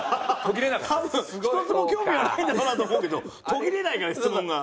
多分１つも興味はないんだろうなと思うけど途切れないから質問が。